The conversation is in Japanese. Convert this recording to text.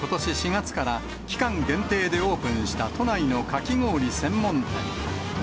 ４月から、期間限定でオープンした、都内のかき氷専門店。